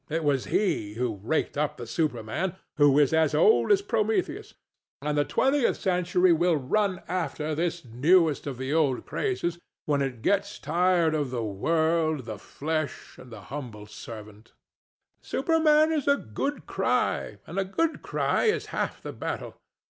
It was he who raked up the Superman, who is as old as Prometheus; and the 20th century will run after this newest of the old crazes when it gets tired of the world, the flesh, and your humble servant. THE STATUE. Superman is a good cry; and a good cry is half the battle.